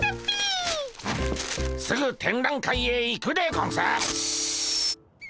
すぐ展覧会へ行くでゴンス！